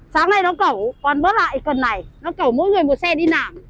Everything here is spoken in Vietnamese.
sáng nay nó cẩu còn bớt lại cần này nó cẩu mỗi người một xe đi nạm